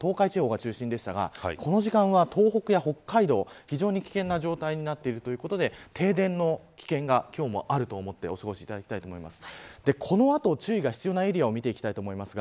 なので、すでに昨日は三重など東海地方が中心でしたがこの時間は東北や北海道など非常に危険な状態になってるということで停電の危険が今日もあると思ってお過ごしいただきたいと思います。